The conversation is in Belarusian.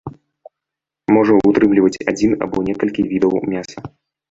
Можа ўтрымліваць адзін або некалькі відаў мяса.